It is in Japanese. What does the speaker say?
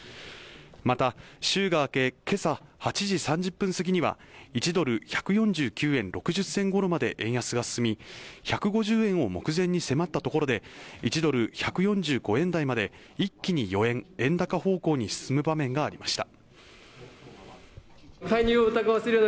また週が明け今朝８時３０分過ぎには１ドル＝１４９円６０銭頃まで円安が進み１５０円を目前に迫ったところで１ドル＝１４５円台まで一気に４円円高方向に進む場面がありました